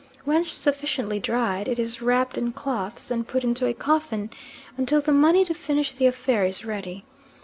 When sufficiently dried, it is wrapped in clothes and put into a coffin, until the money to finish the affair is ready.